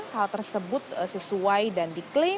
hal tersebut sesuai dan diklaim